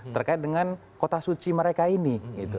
terkait dengan kota suci mereka ini